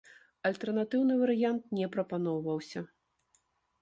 Альтэрнатыўны варыянт не прапаноўваўся.